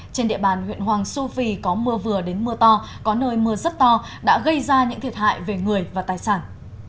trên địa bàn huyện hoàng su phi có mưa vừa đến mưa to có nơi mưa rất to đã gây ra những thiệt hại về người và tài sản